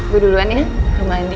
gue duluan ya ke rumah andi